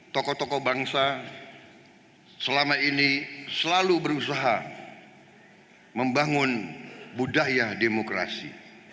tokoh tokoh bangsa selama ini selalu berusaha membangun budaya demokrasi